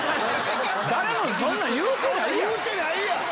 誰もそんなん言うてないやん！